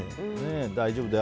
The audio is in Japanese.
大丈夫だよ